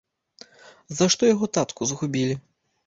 За што яго татку згубілі?